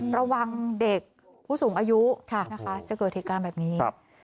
ระวังเด็กผู้สูงอายุนะคะจะเกิดเหตุการณ์แบบนี้